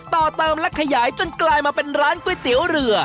ต่อเติมและขยายจนกลายมาเป็นร้านก๋วยเตี๋ยวเรือ